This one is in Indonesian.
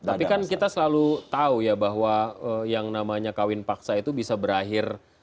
tapi kan kita selalu tahu ya bahwa yang namanya kawin paksa itu bisa berakhir